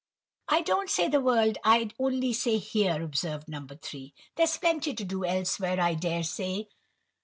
"I don't say the world, I only say here," observed No. 3; "there's plenty to do elsewhere, I dare say."